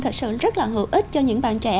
thật sự rất là hữu ích cho những bạn trẻ